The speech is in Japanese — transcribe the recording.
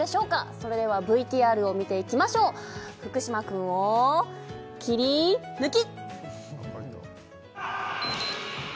それではＶＴＲを見ていきましょう福嶌君をキリヌキ！